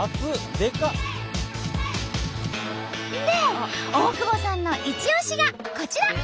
で大久保さんのいち押しがこちら。